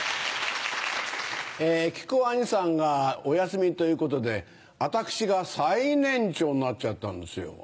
木久扇兄さんがお休みということで私が最年長になっちゃったんですよ。